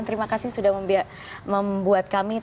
terima kasih sudah membuat kami